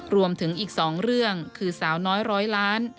รวมถึงอีก๒เรื่องคือสาวน้อยร้อยล้าน